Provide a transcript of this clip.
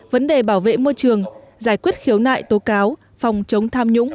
vấn đề bảo vệ môi trường giải quyết khiếu nại tố cáo phòng chống tham nhũng